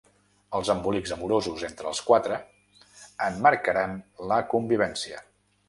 Els embolics amorosos entre els quatre en marcaran la convivència.